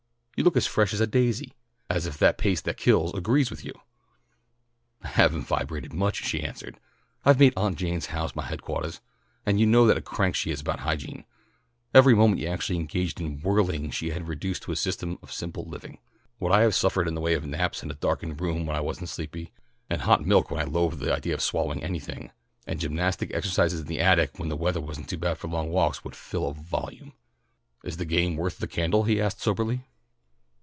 You look as fresh as a daisy; as if the pace that kills agrees with you." "I haven't vibrated much," she answered. "I've made Aunt Jane's house my headquartahs, and you know what a crank she is about hygiene. Every moment not actually engaged in 'whirling' she had reduced to a system of simple living. What I have suffered in the way of naps in a darkened room when I wasn't sleepy, and hot milk when I loathed the idea of swallowing anything, and gymnastic exercises in the attic when the weathah was too bad for long walks, would fill a volume." "Is the game worth the candle?" he asked soberly.